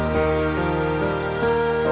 terus menemani kita